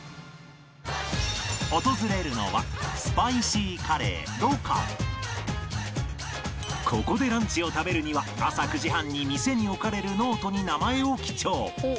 訪れるのはここでランチを食べるには朝９時半に店に置かれるノートに名前を記帳